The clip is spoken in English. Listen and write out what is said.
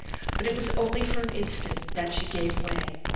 But it was only for an instant that she gave way.